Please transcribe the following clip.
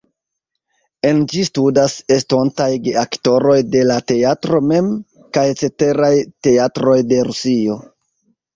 En ĝi studas estontaj geaktoroj de la teatro mem kaj ceteraj teatroj de Rusio.